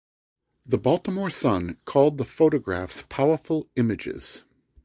The "Baltimore Sun" called the photographs "powerful images".